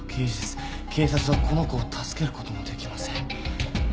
警察はこの子を助けることもできません」